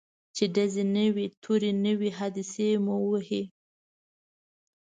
چي ډزي نه وي توری نه وي حادثې مو وهي